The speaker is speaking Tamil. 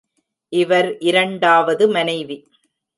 இவர் இரண்டாவது மனைவி.